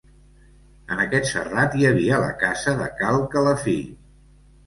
En aquest serrat hi havia la casa de Cal Calafí.